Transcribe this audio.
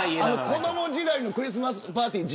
子ども時代のクリスマスパーティー